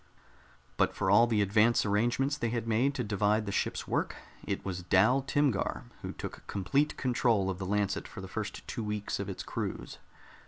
But for all the advance arrangements they had made to divide the ship's work, it was Dal Timgar who took complete control of the Lancet for the first two weeks of its cruise.